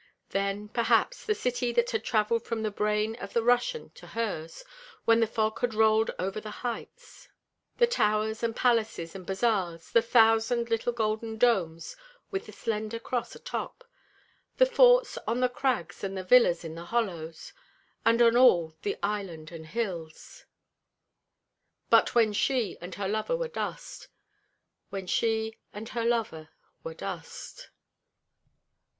Then, perhaps, the city that had travelled from the brain of the Russian to hers when the fog had rolled over the heights; the towers and palaces and bazaars, the thousand little golden domes with the slender cross atop; the forts on the crags and the villas in the hollows, and on all the island and hills. But when she and her lover were dust. When she and her lover were dust.